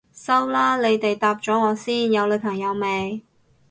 收啦，你哋答咗我先，有女朋友未？